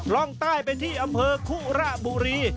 ร่องใต้ไปที่อำเภอคุระบุรี